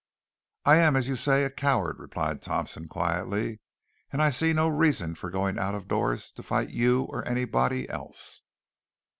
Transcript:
"I am, as you say, a coward," replied Thompson quietly, "and I see no reason for going out of doors to fight you or anybody else."